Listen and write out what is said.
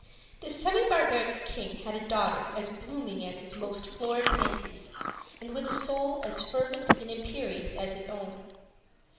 This semi barbaric king had a daughter as blooming as his most florid fancies, and with a soul as fervent and imperious as his own.